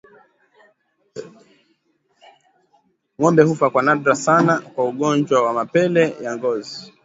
Ngombe hufa kwa nadra sana kwa ugonjwa wa mapele ya ngozi